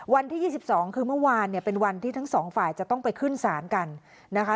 วันที่๒๒คือเมื่อวานเนี่ยเป็นวันที่ทั้งสองฝ่ายจะต้องไปขึ้นศาลกันนะคะ